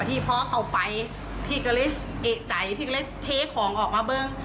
ที่พ่อเขาไปพี่ก็เลยเอกใจพี่ก็เลยเทของออกมาเบิ้ง